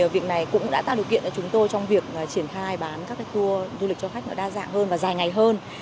việc này cũng đã tạo điều kiện cho chúng tôi trong việc triển khai bán các tour du lịch cho khách nó đa dạng hơn và dài ngày hơn